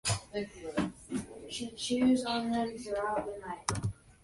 Sangha usually plays comedy roles.